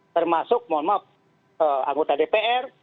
termasuk mohon maaf anggota dpr